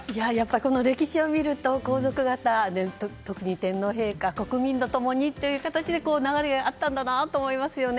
この歴史を見ると皇族方、特に天皇陛下国民の共にという形で流れがあったんだなと思いますよね。